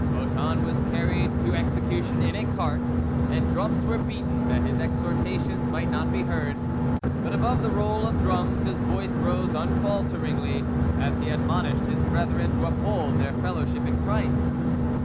Boeton was carried to execution in a cart, and drums were beaten that his exhortations might not be heard. But above the roll of drums his voice rose unfalteringly, as he admonished his brethren to uphold their fellowship in Christ.